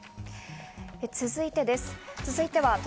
続いてです。